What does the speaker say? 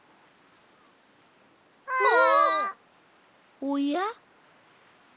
おや？